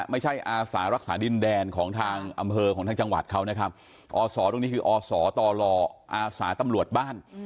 อาสารักษาดินแดนของทางอำเภอของทางจังหวัดเขานะครับอศตรงนี้คืออสตลอาสาตำรวจบ้าน